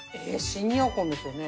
シニア婚ですよね。